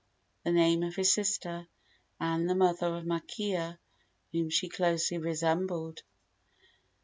the name of his sister, and the mother of Makea, whom she closely resembled.